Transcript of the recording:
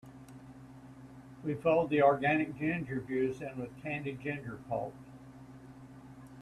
We fold the organic ginger juice in with the candied ginger pulp.